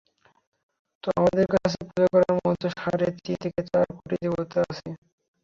তো আমাদের কাছে পূজা করার মতো সাড়ে তিন থেকে চার কোটি দেবতা আছে।